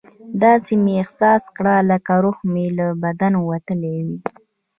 داسې مې احساس کړه لکه روح مې له بدنه وتلی وي.